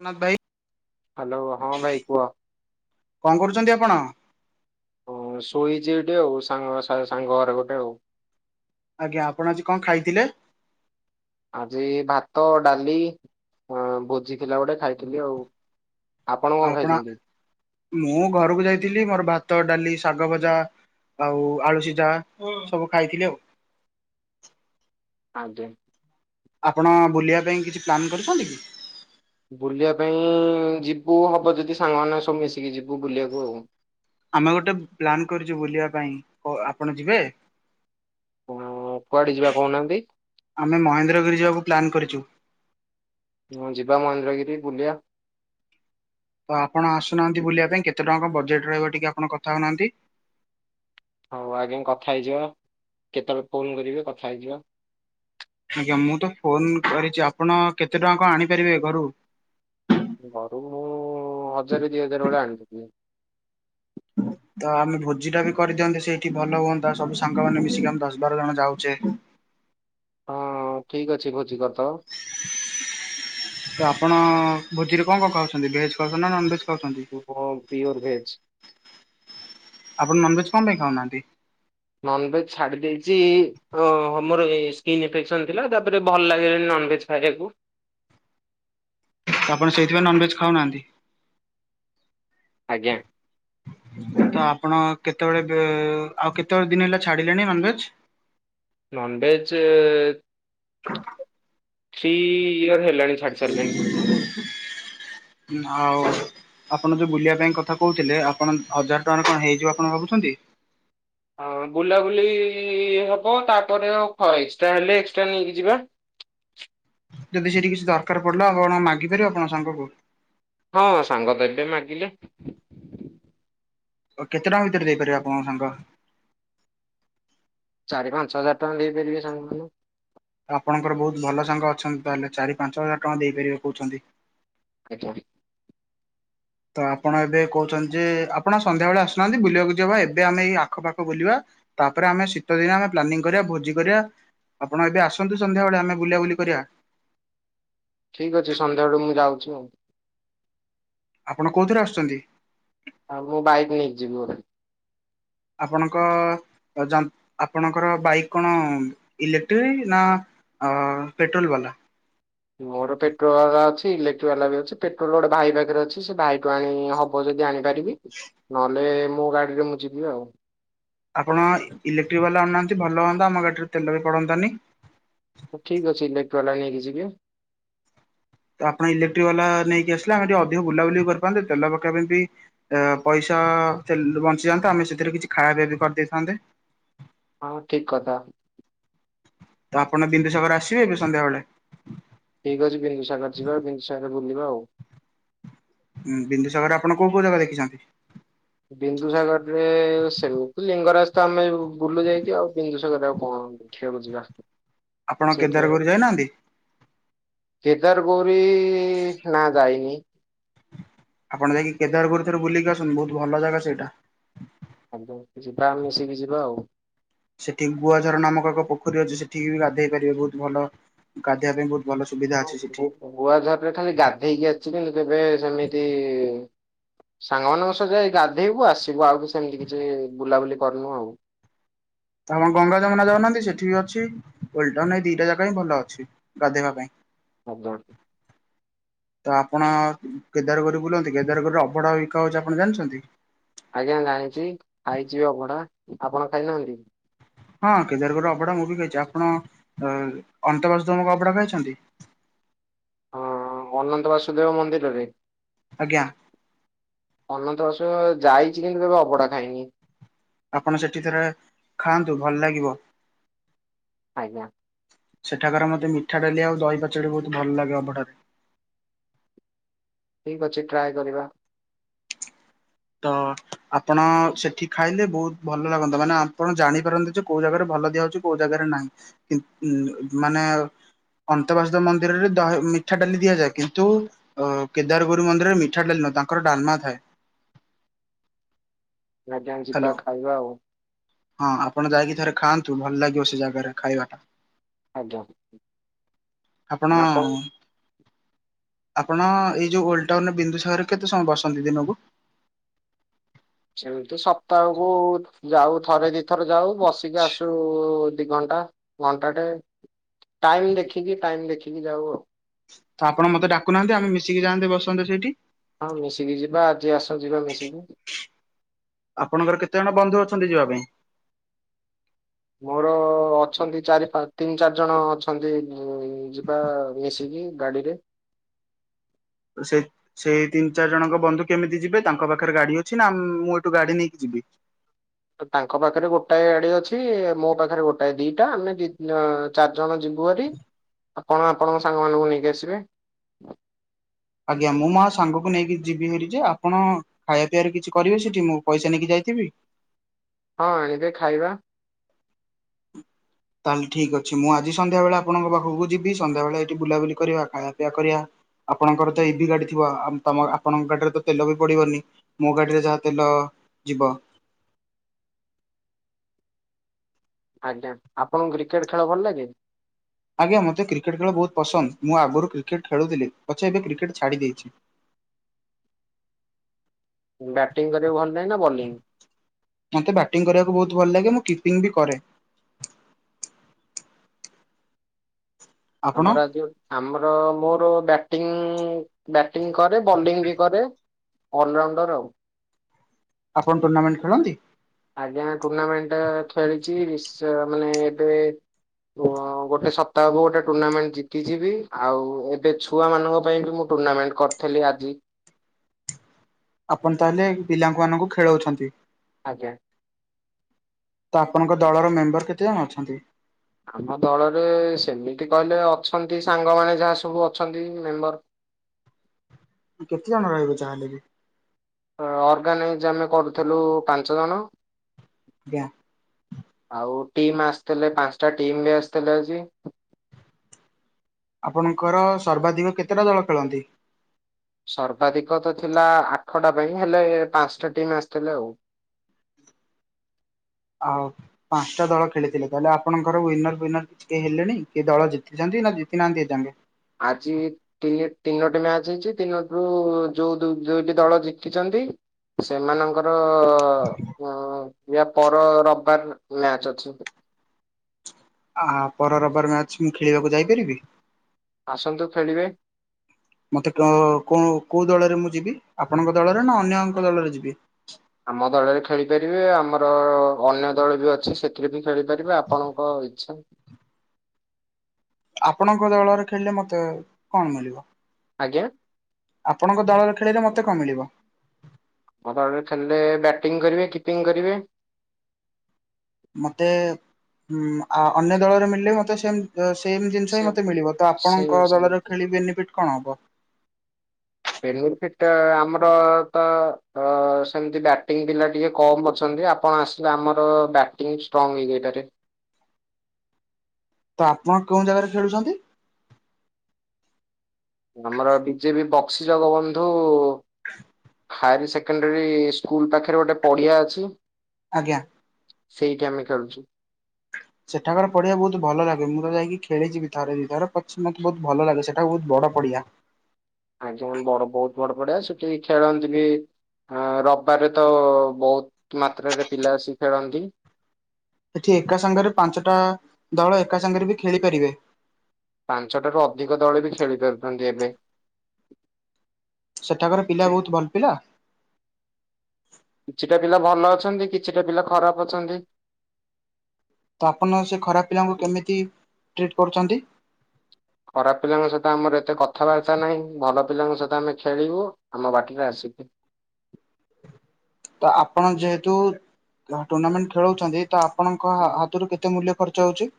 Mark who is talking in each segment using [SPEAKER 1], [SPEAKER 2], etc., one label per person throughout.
[SPEAKER 1] ପ୍ରନାଥ ଭାଇ।
[SPEAKER 2] ହ୍ୟାଲୋ ହଁ ଭାଇ କୁହ।
[SPEAKER 1] କଣ କରୁଛନ୍ତି ଆପଣ?
[SPEAKER 2] ହ ଶୋଇଛି ଏଇଟି ଆଉ ସାଙ୍ଗ ସାଙ୍ଗ ଘରେ ଗୋଟେ ଆଉ।
[SPEAKER 1] ଆଜ୍ଞା ଆପଣ ଆଜି କଣ ଖାଇଥିଲେ?
[SPEAKER 2] ଆଜି ଭାତ ଡାଲି ଭୋଜି ଥିଲା ଗୋଟେ ଖାଇଥିଲି ଆଉ। କଣ
[SPEAKER 1] ଆପଣ
[SPEAKER 2] ଖାଇଛନ୍ତି?
[SPEAKER 1] ମୁଁ ଘରକୁ ଯାଇଥିଲି ମୋର ଭା ଭାତ ଡାଲି ଶାଗ ଭଜା ଆଉ ଆଳୁ ସିଝା ସବୁ ଖାଇଥିଲି ଆଉ।
[SPEAKER 2] ଆଜ୍ଞା।
[SPEAKER 1] ଆପଣ ବୁଲିବା ପାଇଁ କିଛି ପ୍ଲାନ୍ କରୁଛନ୍ତି କି?
[SPEAKER 2] ବୁଲିବା ପାଇଁ ଯିବୁ ହବ ଯଦି ସାଙ୍ଗମାନେ ସବୁ ମିଶିକି ଯିବୁ ବୁଲିବାକୁ ଆଉ।
[SPEAKER 1] ଆମେ ଗୋଟେ ପ୍ଲାନ୍ କରୁଛୁ ବୁଲିବା ପାଇଁ ଆପଣ ଯିବେ?
[SPEAKER 2] ହଁ କୁଆଡେ ଯିବା କହୁନାହାନ୍ତି?
[SPEAKER 1] ଆମେ ମହେନ୍ଦ୍ରଗିରି ଯିବାକୁ ପ୍ଲାନ କରିଛୁ।
[SPEAKER 2] ହଁ ଯିବା ମହେନ୍ଦ୍ରଗିରି ବୁଲିବା।
[SPEAKER 1] ତ ଆପଣ ଆସୁନାହାନ୍ତି ବୁଲିବା ପାଇଁ କେତେ ଟଙ୍କା ବଜେଟ୍ ରହିବ ଟିକେ ଆପଣ କଥା ହଉନାହାନ୍ତି।
[SPEAKER 2] ହଉ ଆଜ୍ଞା କଥା ହେଇଯିବା କେତେବେଳେ ଫୋନ କରିବେ କଥା ହେଇଯିବା।
[SPEAKER 1] ଆଜ୍ଞା ମୁଁ ତ ଫୋନ କରିଛି ଆପଣ କେତେ ଟଙ୍କା ଆଣିପାରିବେ ଘରୁ?
[SPEAKER 2] ଘରୁକୁ ମୁଁ ହଜାରେ ଦି ହଜାର ଭଳିଆ ଆଣି
[SPEAKER 1] ହଁ ତ ଆମେ ଭୋଜି ଟା ବି କରିଦିଅନ୍ତେ ସେଇଠି ଭଲ ହୁଅନ୍ତା ସବୁ ସାଙ୍ଗମାନୋନେ ମିଶିକି ଆମେ ଦଶ ବାର ଜଣ ଯାଉଛେ।
[SPEAKER 2] ହଁ ଠିକ ଅଛି ଭୋଜି କରିଦେବ।
[SPEAKER 1] ହୋଜିରେ କଣ ଖାଉଛନ୍ତି ଭେଜ ଖାଉଛନ୍ତି ନା ନନ ଭେଜ୍
[SPEAKER 2] ପିଓର ଭେଜ
[SPEAKER 1] ଆପଣ ନନ୍ ଭେଜ୍ କଣ ପାଇଁ ଖାଉନାହାନ୍ତି?
[SPEAKER 2] ନନ ଭେଜ ଛାଡି ଦେଇେଇଛି ର ମୋର ସ୍କିନ୍ ଇନଫେକ୍ସନ ଥିଲା ତାପରେ ଭଲ ଲାଗିଲାନି ନନଭେଜ୍ ଖାଇବାକୁ
[SPEAKER 1] ତ ଆପଣ ସେଇଥିପାଇଁ ନନଭେଜ ଖାଉନାହାନ୍ତି?
[SPEAKER 2] ଆଜ୍ଞା
[SPEAKER 1] ତ ଆପଣ କେତେବେଳେ ଆଉ କେତେବେଳେ ଦିନ ହେଲା ଛାଡିଲେଣି ନନଭେଜ
[SPEAKER 2] ନନଭେଜ ଚି ଇ
[SPEAKER 1] ହ ହୁଁ [unintelligible] ଆଉ ଆପଣ ଯୋଉ ବୁଲିବା ପାଇଁ କଥା କହୁଥିଲେ ଆପଣ ହଜାରେ ଟଙ୍କା ରେ ହୋଇଯିବ ଆପଣ ଭାବୁଛନ୍ତି।
[SPEAKER 2] ହଁ ବୁଲାବୁଲି ହବ ତାପରେଉ ଏକ୍ସଟ୍ରା ହେଲେ ଏକ୍ସଟ୍ରା ନେଇକି ଯିବା।
[SPEAKER 1] ଯଦି ସେଠି କିଛି ଦରକାର ପଡ଼ିଲା ଆପଣ ମାଗିପାରିବେ ଆପଣଙ୍କ ସାଙ୍ଗକୁ
[SPEAKER 2] ହଁ ସାଙ୍ଗ ଦେବେ ମାଗିଲେ।
[SPEAKER 1] କେତେ ଟଙ୍କା ଭିତର ଦେଇପାରିବେ ଆପଣଙ୍କ ସାଙ୍ଗ।
[SPEAKER 2] ଚାରି ପାଞ୍ଚ ହଜାର ଟଙ୍କା ଦେଇପାରିବେ ସାଙ୍ଗ ମାନେ।
[SPEAKER 1] ଆପଣଙ୍କର ବହୁତ ଭଲ ସାଙ୍ଗ ଅଛନ୍ତି ତାହେଲେ ଚାରି ପାଞ୍ଚ ହଜାର ଟଙ୍କା ଦେଇପାରିବେ କହୁଛନ୍ତି।
[SPEAKER 2] ଆଚ୍ଛା।
[SPEAKER 1] ତ ଆପଣ ଏବେ କହୁଚନ୍ତି ଯେ ଆପଣ ସନ୍ଧ୍ୟାବେଳେ ଆସୁନାହାନ୍ତି ବୁଲିବାକୁ ଯିବା। ଏବେ ଆମେ ଏଇ ଆଖପାଖ ବୁଲିବା। ତାପରେ ଆମେ ଶୀତ ଦିନ ଆମେ ପ୍ଲାନିଂ କରିବା, ଭୋଜି କରିବା। ଆପଣ ଏବେ ଆସନ୍ତୁ ସନ୍ଧ୍ୟାବେଳେ ଆମେ ବୁଲାବୁଲି କରିବା।
[SPEAKER 2] ଠିକ୍ ଅଛି। ସନ୍ଧ୍ୟାବେଳେ ମୁଁ ଯାଉଛି ଆଉ।
[SPEAKER 1] ଆପଣ କୋଉଥିରେ ଆସୁଚନ୍ତି?
[SPEAKER 2] ଆଉ ମୁଁ ବାଇକ୍ ନେଇକି ଯିବି ବୋଧେ।
[SPEAKER 1] ଆପଣଙ୍କ ଯନ୍ ଆପଣଙ୍କର ବାଇକ୍ କଣ ଇଲେକ୍ଟ୍ରି ନା? ଅ ପେଟ୍ରୋଲ ବାଲା।
[SPEAKER 2] ମୋର ପେଟ୍ରୋଲ ବାଲା ଅଛି ଇଲେକ୍ଟ୍ରି ବାଲା ବି ଅଛି। ପେଟ୍ରୋଲ ଗୋଟେ ଭାଇ ପାଖରେ ଅଛି ସେ ଭାଇ ଟୁ ଆଣି ହବ ଯଦି ଆଣି ପାରିବି। ନହେଲେ ମୋ ଗାଡିରେ ମୁଁ ଯିବି ଆଉ।
[SPEAKER 1] ଆପଣ ଇଲେକ୍ଟ୍ରି ବାଲା ଆଣୁନାହାଁନ୍ତି ଭଲ ହଅନ୍ତା ଆମ ଗାଡ଼ିରେ ତେଲ ବି ପଡ଼ନ୍ତାନି।
[SPEAKER 2] ହଉ ଠିକ୍ ଅଛି। ଇଲେକ୍ଟ୍ରିୱାଲା ନେଇକି ଯିବି।
[SPEAKER 1] ତ ଆପଣ ଇଲେକ୍ଟ୍ରି ବାଲା ନେଇକି ଆସିଲେ ଆମେ ଟିକେ ଅଧିକ ବୁଲାବୁଲି କରିପାନ୍ତେ ତେଲ ପକେଇବା ପାଇଁ ବି ପଇସା ତ ଅ ଅ ସେ ଲୋ ବଞ୍ଚିଯାଆନ୍ତା ଆମେ ସେଥିରେ କିଛି ଖାଆ ପିଆ ବି କରିଦେଇଥାନ୍ତେ।
[SPEAKER 2] ହଁ ଠିକ୍ କଥା।
[SPEAKER 1] ତ ଆପଣ ବିନ୍ଦୁସାଗର ଆସିବେ ଏବେ ସନ୍ଧ୍ୟାବେଳେ?
[SPEAKER 2] ଠିକ୍ ଅଛି ବିନ୍ଦୁସାଗର ଯିବା। ବିନ୍ଦୁସାଗର ବୁଲିବା ଆଉ।
[SPEAKER 1] ହୁଁ ବିନ୍ଦୁସାଗରରେ ଆପଣ କୋଉ କୋଉ ଜାଗା ଦେଖିଛନ୍ତି?
[SPEAKER 2] ବିନ୍ଦୁସାଗରରେ ସେଉ ଲିଙ୍ଗରାଜ ତ ଆମେ ବୁଲୁ ଯାଇକି ଆଉ ବିନ୍ଦୁସାଗରରେ ଆଉ କଣ? କଁ ଦେଖିବାକୁ ଯିବା?
[SPEAKER 1] ଆପଣ
[SPEAKER 2] ସେ ତ
[SPEAKER 1] କେଦାରଗୌରୀ ଯାଇନାହାନ୍ତି?
[SPEAKER 2] କେଦାରଗୌରୀ ନା ଯାଇନି।
[SPEAKER 1] ଆପଣ ଯାଇକି କେଦାରପୁର ଥରୁ ବୁଲିକି ଆସନ୍ତୁ ବହୁତ ଭଲ ଜାଗା ସେଇଟା।
[SPEAKER 2] ହାଲୋ ଯିବା ଆମେ ମିଶିକି ଯିବା ଆଉ।
[SPEAKER 1] ସେଠି ଗୁଆଝରଣ ନାମକ ଏକ ପୋଖରୀ ଅଛି ସେଠିକି ବି ଗାଧେଇ ପାରିବେ ବହୁତ ଭଲ ଗାଧେଇବା ପାଇଁ ବହୁତ୍।
[SPEAKER 2] ହଁ ଗୁ ଗୁଆଝରରେ ଖାଲି ଗାଧେଇକି ଆସିଛି କିନ୍ତୁ କେବେ ସେମିତି ସାଙ୍ଗମାନଙ୍କ ସହ ଯାଏ ଗାଧେଇବୁ ଆସିବୁ ଆଉ କି ସେମିତି କିଛି ବୁଲାବୁଲି କରନୁ ଆଉ।
[SPEAKER 1] ତାହାଲେ ଗଙ୍ଗା ଯମୁନା ଯାଉନାହାନ୍ତି ସେଠି ବି ଅଛି ଓଲଟାଉନ୍ ରେ ଏ ଦିଟା ଜାଗା ହିଁ ଭଲ ଅଛି ଗାଧୋଇବା ପାଇଁ।
[SPEAKER 2] ଆବଦଡ୍।
[SPEAKER 1] ତ ଆପଣ କେଦାରଗର ବୁଲନ୍ତି କେଦାରଗରରେ ଅବଢା ବିକାହଉଚି ଆପଣ ଜାଣିଛନ୍ତି?
[SPEAKER 2] ଆଜ୍ଞା ମୁଁ ଜାଣିଚି ଖାଇଚି ଅବଢା ଆପଣ ଖାଇନାହାନ୍ତି?
[SPEAKER 1] ହଁ କେଦାରଗରର ଅବଢା ମୁଁ ବି ଖାଇଚି। ଆପଣ କଁ ଅନ୍ତବାସୁଦେବଙ୍କ ଅଭଡା ଖାଇଚନ୍ତି?
[SPEAKER 2] ହଁ ଅନନ୍ତ ବାସୁଦେବ ମନ୍ଦିରରେ
[SPEAKER 1] ଆଜ୍ଞା
[SPEAKER 2] ଅନନ୍ତ ବାସୁଦେବ ଯାଇଚି କିନ୍ତୁ କେବେ ଅବଢା ଖାଇନି।
[SPEAKER 1] ଆପଣ ସେଠି ଥରେ ଖାଆନ୍ତୁ ଭଲ ଲାଗିବ।
[SPEAKER 2] ଆଜ୍ଞା।
[SPEAKER 1] ସେଠାକାର ମୋତେ ମିଠା ଡାଲି ଆଉ ଦହି ପାଚେଡି ବହୁତ ଭଲ୍ ଲାଗେ ଅବଢାର୍।
[SPEAKER 2] ଠିକ୍ ଅଛି ଟ୍ରାଏ କରିବା।
[SPEAKER 1] ତ ଆପଣ ସେଠି ଖାଇଲେ ବହୁତ ଭଲ ଲାଗନ୍ତା ମାନେ ଆପଣ ଜାଣିପାରନ୍ତେ ଯେ କୋଉ ଜାଗାରେ ଭଲ ଦିଆହଉଚି। କୋଉ ଜାଗାରେ ନାହିଁ କି ମାନେ ଅନ୍ତବାସୁଦେବ ମନ୍ଦିରରେ ଦ ହଏ ମିଠା ଡାଲି ଦିଆଯାଏ କିନ୍ତୁ ଅ କେଦାରଗୌରୀ ମନ୍ଦିରରେ ମିଠାଡାଲି ନୁ ତାଙ୍କର ଡାଲମା ଥାଏ।
[SPEAKER 2] ଆଜ୍ଞା ଯିବା
[SPEAKER 1] ହ୍ୟାଲୋ
[SPEAKER 2] ଖାଇବା ଆଉ
[SPEAKER 1] ହଁ ଆପଣ ଯାଇକି ଥରେ ଖାଆନ୍ତୁ। ଉଁ ଭଲ ଲାଗିବ ସେ ଜାଗାରେ ଖାଇବାଟା।
[SPEAKER 2] ଆଜ୍ଞା ଆପଣ?
[SPEAKER 1] ଆପଣ ଏଇ ଯୋଉ ଓଲ୍ଡ ଟାଉନ ବିନ୍ଦୁସାଗରରେ କେତେ ସମୟ ବସନ୍ତି ଦିନକୁ?
[SPEAKER 2] ସେମିତି ସପ୍ତାହକୁ ଯାଉ ଥରେ ଦିଥର ଯାଉ ବସିକି ଆସୁ। ଦି ଘଣ୍ଟା ଘଣ୍ଟାଟେ ଟାଇମ୍ ଦେଖିକି ଟାଇମ୍ ଦେଖିକି ଯାଉ ଆଉ।
[SPEAKER 1] ତ ଆପଣ ମତେ ଡାକୁ ନାହାନ୍ତି ଆମେ ମିଶିକି ଯାଆନ୍ତେ ବସନ୍ତେ ସେଇଠି।
[SPEAKER 2] ହଁ ମିଶିକି ଯିବା ଆଜି ଆସନ୍ତୁ ଯିବା ମିଶିକି।
[SPEAKER 1] ଆପଣଙ୍କର କେତେ ଜଣ ବନ୍ଧୁ ଅଛନ୍ତି ଯିବା ପାଇଁ।
[SPEAKER 2] ମୋର ଅଛନ୍ତି ଚାରି ପା ତିନି ଚାରି ଜଣ ଅଛନ୍ତି ଯିବା ମିଶି କି ଗାଡିରେ।
[SPEAKER 1] [inaudible] ସେ ସେଇ ତିନି ଚାରି ଜଣଙ୍କ ବନ୍ଧୁ କେମିତି ଯିବେ। ତାଙ୍କ ପାଖରେ ଗାଡି ଅଛି ନା ମୁଁ ଏଠୁ ଗାଡି ନେଇକି ଯିବି। ବି।
[SPEAKER 2] ତାଙ୍କ ପାଖରେ ଗୋଟାଏ ଗାଡି ଅଛି। ମୋ ପାଖରେ ଗୋଟାଏ ଦିଟା ଆମେ ଚାରି ଜଣ ଯିବା। ଯିବୁ ହାରି। ଆପଣ ଆପଣଙ୍କ ସାଙ୍ଗ ମାନଙ୍କୁ ନେଇକି ଆସିବେ।
[SPEAKER 1] ଆଜ୍ଞା ମୁଁ ମା ସାଙ୍ଗକୁ ନେଇକି ଯିବି ହେରି ଯେ ଆପଣ ଖାଇବା ପିଇବାରେ କିଛି କରିବେ ସେଠି। ମୁଁ ପଇସା ନେଇକି ଯାଇ ଥିବି।
[SPEAKER 2] ହଁ ଆଣିବେ ଖାଇବା।
[SPEAKER 1] ତାହେଲେ ଠିକ୍ ଅଛି। ମୁଁ ଆଜି ସନ୍ଧ୍ୟା ବବେଳେ ଆପଣଙ୍କ ପାଖକୁ ଯିବି। ସନ୍ଧ୍ୟାବେଳେ ଏଇଠି ବୁଲାବୁଲି କରିବା ଖାଇବା ପିଆ କରିବା। ଆପଣଙ୍କର ତ ଏଇ ବି ଗାଡି ଥିବ। ତମ ଆପଣଙ୍କ ଗାଡିରେ ତ ତେଲ ବି ପଡିବନି। ମୋ ଗାଡିରେ ଯାହା ତେଲ ଯିବ।
[SPEAKER 2] ଆଜ୍ଞା ଆପଣଙ୍କୁ କ୍ରିକେଟ୍ ଖେଳ ଭଲ ଲାଗେ।
[SPEAKER 1] ଆଜ୍ଞା ମତେ କ୍ରିକେଟ୍ ଖେଳ ବହୁତ ପସନ୍ଦ। ମୁଁ ଆଗରୁ କ୍ରିକେଟ୍ ଖେଳୁଥିଲି। ପଛେ ଏବେ କ୍ରିକେଟ୍ ଛାଡି ଦେଇଛି। [inaudible]
[SPEAKER 2] ବ୍ୟାଟିଂ କରିବା ଭଲ। ଲାଗେ ନା ବୋଲିଂ?
[SPEAKER 1] ମତେ ବ୍ୟାଟିଂ କରିବାକୁ ବହୁତ ଭଲ ଲାଗେ। ମୁଁ କିପିଂ ବି କରେ। ଆପଣ
[SPEAKER 2] ଆମର ଆଜି ଯୋଉ ଆମର ମୋର ବ୍ୟା ବ୍ୟାଟିଂ କରେ ବୋଲିଂ ବି କରେ। ଅଲରାଉଣ୍ଡର ଆଉ।
[SPEAKER 1] ଆପଣ ଟୁର୍ଣ୍ଣାମେଣ୍ଟ୍ ଖେଳନ୍ତି।
[SPEAKER 2] ଆଜ୍ଞା ଟୁର୍ଣ୍ଣାମେଣ୍ଟ ଖେଳିଛି। ସେ ମାନେ ଏବେ ଗୋଟେ ସପ୍ତାହକୁ ଗୋଟେ ଟୁର୍ଣ୍ଣାମେଣ୍ଟ୍ ଜିତିଚିବି। ଆଉ ଏବେ ଛୁଆ ମାନଙ୍କ ପାଇଁ ବି ମୁଁ ଟୁର୍ଣ୍ଣାମେଣ୍ଟ କରିଥିଲି ଆଜି।
[SPEAKER 1] ଆପଣ ତାହେଲେ ପିଲାଙ୍କୁ ମାନଙ୍କୁ ଖେଳଉଛନ୍ତି।
[SPEAKER 2] ଆଜ୍ଞା।
[SPEAKER 1] ତ ଆପଣଙ୍କ ଦଳର ମେମ୍ବର କେତେ ଜଣ ଅଛନ୍ତି?
[SPEAKER 2] ଆମ ଦଳରେ ସେମିତି କହିଲେ ଅଛନ୍ତି ସାଙ୍ଗମାନେ ଯାହା ସବୁ ଅଛନ୍ତି ମେମ୍ବର।
[SPEAKER 1] କେତେଜଣ ରହିବ ଚାହିଁଲେ ବି।
[SPEAKER 2] ଅର୍ଗାନାଇଜ୍ ଆମେ କରୁଥିଲୁ ପାଞ୍ଚ ଜଣ।
[SPEAKER 1] ଆଜ୍ଞା
[SPEAKER 2] ଆଉ ଟିମ୍ ଆସିଥିଲେ ପାଞ୍ଚଟା ଟିମ୍ ବି ଆସିଥିଲେ ଆଜି।
[SPEAKER 1] ଆପଣଙ୍କର ସର୍ବାଧିକ କେତେଟା ଦଳ ଖେଳନ୍ତି।
[SPEAKER 2] ସର୍ବାଧିକ ତ ଥିଲା ଆଠଟା ପାଇଁ ହେଲେ ପାଞ୍ଚଟା ଟିମ୍ ଆସିଥିଲେ ଆଉ।
[SPEAKER 1] [inaudible] ଆଉ ପାଞ୍ଚଟା ଦଳ ଖେଳିଥିଲେ। ତାହେଲେ ଆପଣଙ୍କର ଉଇନର୍ ଉଇନର୍ କିଛି କେହି ହେଲେଣିି କି ଦଳ ଜିତିଛନ୍ତି। ନା ଜିତି ନାହାଁନ୍ତି ଏ ଜାଙ୍ଗେ।
[SPEAKER 2] ଆଜି ତିନି ତିନୋଟି ମ୍ୟାଚ୍ ହେଇଛି। ତିନୋଟିରୁ ଯୋଉ ଦୁଇଟି ଦଳ ଜିତିଛନ୍ତି। ଟି। ସେମାନଙ୍କର ଇଆ ପର ରବିବାର ମ୍ୟାଚ ଅଛି।
[SPEAKER 1] ଆ ପର ରବାର ମ୍ୟାଚ ମୁଁ ଖେଳିବାକୁ ଯାଇପାରିବି।
[SPEAKER 2] ଆସନ୍ତୁ ଖେଳିବେ।
[SPEAKER 1] ମତେ କୋ କୋଉ ଦଳରେ ମୁଁ ଯିବି। ଆପଣଙ୍କ ଦଳରେ ନା ଅନ୍ୟଙ୍କ ଦଳରେ ଯିବି।
[SPEAKER 2] ଆମ ଦଳରେ ଖେଳିପାରିବେ। ଆମର ଅନ୍ୟ ଦଳ ବି ଅଛି ସେଥିରେ ବି ଖେଳିପାରିବେ। ଆପଣଙ୍କ ହୋଇଛନ
[SPEAKER 1] ଆପଣଙ୍କ ଦଳରେ ଖେଳିଲେ ମତେ କଣ ମିଳିବ?
[SPEAKER 2] ଆଜ୍ଞା
[SPEAKER 1] ଆପଣଙ୍କ ଦଳରୣ ଖେଳିରେ ମୋତେ କଣ ମିଳିବ?
[SPEAKER 2] ମୋ ପାଖରେ ଖେଳିଲେ ବ୍ୟାଟିଂ କରିବେ କିପିଙ୍ଗ କରିବେ।
[SPEAKER 1] ମତେ-ଏ-ଏ-ଏ ଉମ୍ ଅ ଅନ୍ୟ ଦଳରେ ମିଳିଲେ ମତେ ସେମ୍ ଅ ସେମ ଜିନିଷ ହିଁ
[SPEAKER 2] ସେ
[SPEAKER 1] ମତେ ମିଳିବ ତ
[SPEAKER 2] ସେ
[SPEAKER 1] ଆପଣଙ୍କ ଦଳରେ ଖେଳିଲେ ବେନିଫିଟ୍ କଣ ହବ?
[SPEAKER 2] ବେନିଫିଟା ଆମର-ଅ-ଅ-ଅ ତ-ଅ-ଅ ସେମିତି ବାଟିଂ ପିଲା ଟିକେ କମ ଅଛନ ଆପଣ ଆସିଲେ ଆମର ବ୍ୟାଟିଂ ଷ୍ଟ୍ରଙ୍ଗ୍ ହେଇଯାଇ ପାରେ।
[SPEAKER 1] ତ ଆପଣ କୋଉ ଜାଗାରେ ଖେଳୁଛନ୍ତି?
[SPEAKER 2] ଆମର BJP Bakshi Jagabandhu Harris secondary school ପାଖରେ ଗୋଟେ ପଡିଆ ଅଛି।
[SPEAKER 1] ଆଜ୍ଞା।
[SPEAKER 2] ସେଇଠି ଆମେ ଖେଳୁଛୁ।
[SPEAKER 1] ସେଠାକାର ପଡିଆ ବହୁତ ଭଲ ଲାଗେ ମୁଁ ତ ଯାଇକି ଖେଳିିବି ଥରେ ଦିଇଥର ପ ମତେ ବହୁତ ଭଲ ଲାଗେ ସେଟା ବହୁତ ବ ପଡିଆ।
[SPEAKER 2] ଆଜ୍ଞା ବଡ ବହୁତ ବଡ ପଡିଆ ସେଠି ଖେଳନ୍ତି ବି ହ ରବିବାରେ ତ-ଅ-ଅ-ଅ ବହୁତ ମାତ୍ରାରେ ପିଲା ଆସି ଖେଳନ୍ତି।
[SPEAKER 1] ଏଠି ଏକା ସାଙ୍ଗରେ ପାଞ୍ଚଟା ଦଳ ଏକା ସାଙ୍ଗରେ ବି ଖେଳିପାରିବେ।
[SPEAKER 2] ପାଞ୍ଚଟାରୁ ଅଧିକ ଦଳ ବି ଖେଳି ପାରୁଛନ୍ତି ଏବେ।
[SPEAKER 1] ସେଠାକାରର ପିଲା ବହୁତ ଭଲ ପିଲା?
[SPEAKER 2] କିଛିଟା ପିଲା ଭଲ ଅଛନ୍ତି କିଛିଟା ପିଲା ଖରାପ ଅଛନ୍ତି।
[SPEAKER 1] ତ ଆପଣ ସେ ଖରାପ ପିଲାଙ୍କୁ କେମିତି ଟ୍ରିଟ୍ କରୁଛନ୍ତି?
[SPEAKER 2] ଖରାପ ପିଲାଙ୍କ ସହିତ ଆମର ଏତେ କଥାବାର୍ତ୍ତା ନାହିଁ। ଭଲ ପିଲାଙ୍କ ସହିତ ଆମେ ଖେଳିବୁ ଆମ ବାଟରେ ଆସିବୁ। [unintelligible]
[SPEAKER 1] ତ ଆପଣ ଯେହେତୁ ଟୁର୍ଣ୍ଣାମେଣ୍ଟ ଖେଳଉଛନ୍ତି ତ ଆପଣଙ୍କ ହାତରୁ କେତେ ମୂଲ୍ୟ ଖର୍ଚ୍ଚ ହଉଛି?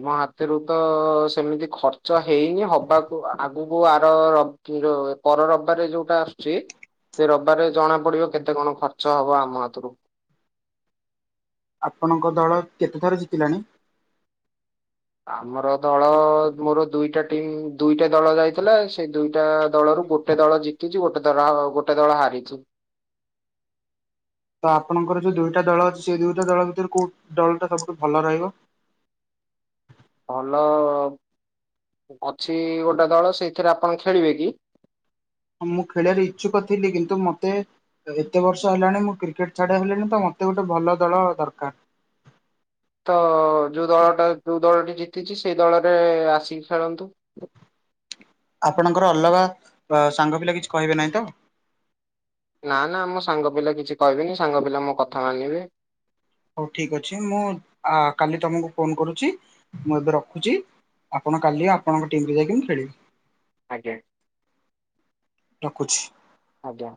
[SPEAKER 2] ଆମ ହାତରୁ ତ-ଅ-ଅ-ଅ ସେମିତି ଖର୍ଚ୍ଚ ହେଇନି ହବାକୁ ଆଗକୁ ଓ ଆର-ଅ-ଅ ରବ ର ପର ରବିବାର ଯୋଉଟା ଆସୁଛି ସେ ରବାରେ ଜଣା ପଡିବ କେତେ କଣ ଖର୍ଚ୍ଚ ହବ ଆମ ହାତରୁ।
[SPEAKER 1] ଆପଣଙ୍କ ଦଳ କେତେଥର ଜିତିଲାାଣି?
[SPEAKER 2] ଆମର ଦଳ-ଅ-ଅ ମୋର ଦୁଇଟା ଟିମ୍ ଦୁଇଟା ଦଳ ଯାଇଥିଲା ସେ ଦୁଇଟା-ଆ-ଆ-ଆ ଦଳରୁ ଗୋଟେ ଦଳ ଜିତିଛି। ଗୋଟେ ଦଳ ଗୋଟେ ଦଳ ହାରିଛି।
[SPEAKER 1] ତ ଆପଣଙ୍କର ଯୋଉ ଦୁଇଟା ଦଳ ଅଛି ସେଇ ଦୁଇଟା ଦଳ ଭିତରେ କୋଉ ଦଳଟା ସବୁଠୁ ଭଲ ରହିବ? ହ
[SPEAKER 2] ଭଲ-ଅ-ଅ-ଅ ଅଛି ଗୋଟେ ଦଳ ସେଇଥିରେ ଆପଣ ଖେଳିବେ କି?
[SPEAKER 1] ମୁଁ ଖେଳିବାର ଇଚ୍ଛୁକ ଥିଲି କିନ୍ତୁ ମୋତେ ଏତେ ବର୍ଷ ହେଲାଣି ମୁଁ କ୍ରିକେଟ ଛାଡି ହେଲିଣି ତ ମତେ ଗୋଟେ ଭଲ ଦଳ ଦରକାର।
[SPEAKER 2] ତ-ଅ-ଅ-ଅ ଯୋଉ ଦଳ ଟା ଯୋଉ ଦଳ ଟି ଜି ଜିତିଛି ସେଇ ଦଳରେ-ଏ-ଏ-ଏ ଆସିକି ଖେଳନ୍ତୁ।
[SPEAKER 1] ଆପଣଙ୍କର ଅଲଗା ଅ ସାଙ୍ଗ ପିଲା କିଛି କହିବେ ନାହିଁ ତ?
[SPEAKER 2] ନା ନା ମୋ ସାଙ୍ଗ ପିଲା କିଛି କହିବେନି ସାଙ୍ଗ ପିଲା ମୋ କଥା ମାନିବେ।
[SPEAKER 1] ହଉ ଠିକ୍ ଅଛି ମୁଁ ଆ କାଲି ତମକୁ ଫୋନ କରୁଛି ମୁଁ ଏବେ ରଖୁଛି। ଆପଣ କାଲି ଆପଣଙ୍କ ଟିମରେ ଯାଇକି ମୁଁ ଖେଳିବି।
[SPEAKER 2] ଆଜ୍ଞା।
[SPEAKER 1] ରଖୁଛି।
[SPEAKER 2] ଆଜ୍ଞା।